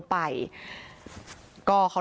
ปล่อยละครับ